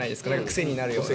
癖になるような。